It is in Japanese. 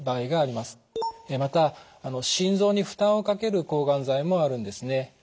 また心臓に負担をかける抗がん剤もあるんですね。